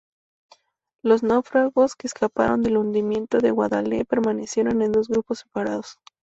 Los náufragos que escaparon del hundimiento del "Guadalete" permanecieron en dos grupos separados.